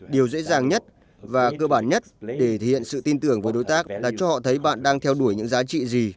điều dễ dàng nhất và cơ bản nhất để thể hiện sự tin tưởng với đối tác là cho họ thấy bạn đang theo đuổi những giá trị gì